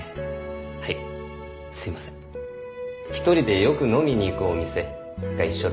１人でよく飲みに行くお店が一緒で。